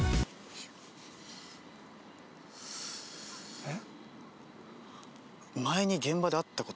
「えっ？」